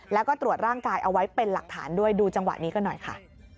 แล้วก็ตรวจร่างกายเอาไว้เป็นหลักฐานด้วยดูจังหวะนี้กันหน่อยค่ะ